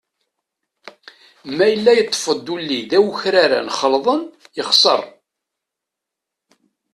Ma yella yeṭṭef-d ulli d awkraren xelḍen, yexser.